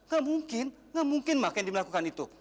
gak mungkin gak mungkin ma kendi melakukan itu